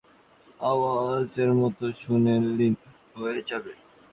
ত্যাগী ভিন্ন অন্যের কথা ফাঁকা আওয়াজের মত শূন্যে লীন হয়ে যাবে।